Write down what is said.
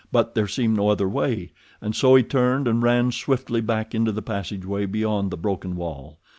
But there seemed no other way, and so he turned and ran swiftly back into the passageway beyond the broken wall.